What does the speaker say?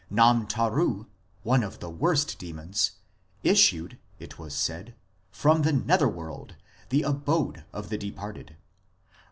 Namtaru, one of the worst demons, issued, it was said, from the nether world, the abode of the departed.